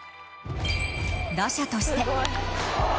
打者として。